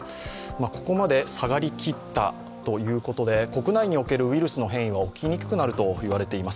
ここまで下がりきったということで国内におけるウイルスの変異は起きにくくなると言われています